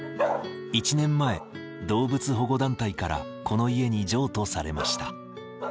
１年前動物保護団体からこの家に譲渡されました。